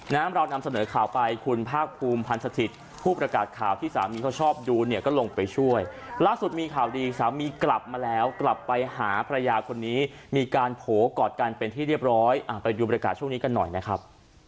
เรานำเสนอข่าวไปคุณภาคภูมิพันธ์สถิตย์ผู้ประกาศข่าวที่สามีเขาชอบดูเนี่ยก็ลงไปช่วยล่าสุดมีข่าวดีสามีกลับมาแล้วกลับไปหาภรรยาคนนี้มีการโผล่กอดกันเป็นที่เรียบร้อยอ่ะไปดูบรรยากาศช่วงนี้กันหน่อยนะครับ